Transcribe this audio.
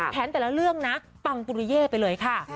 แต่ละเรื่องนะปังปุริเย่ไปเลยค่ะ